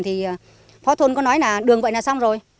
thì phó thôn có nói là đường vậy là xong rồi